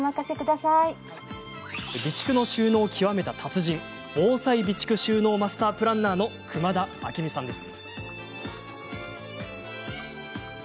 備蓄の収納を極めた達人防災備蓄収納マスタープランナーの熊田明美さんです。